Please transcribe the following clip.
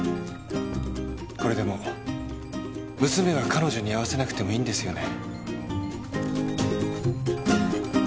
これでもう娘は彼女に会わせなくてもいいんですよね？